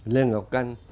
lê ngọc canh